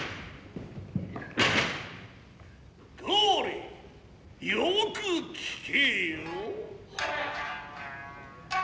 どれよく聞けよ。